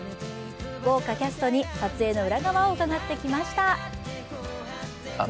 豪華キャストの撮影の裏側を伺ってきました。